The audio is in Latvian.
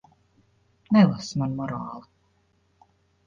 Nelasi man morāli.